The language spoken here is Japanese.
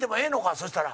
そしたら。